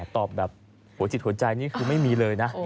ตอบแบบหัวจิตหัวใจนี่คือไม่มีเลยนะ